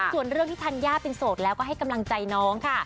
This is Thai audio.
ส่วนเรื่องที่ธัญญาเป็นโสดแล้วก็ให้กำลังใจน้องค่ะ